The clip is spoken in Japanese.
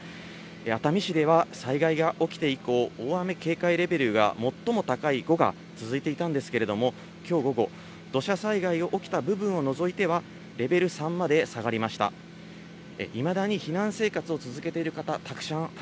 熱海市では災害が起きて以降、大雨警戒レベルが最も高い５が続いていたんですけれども、きょう午後、土砂災害が起きた部分を除いては、レベル３まで下がりました。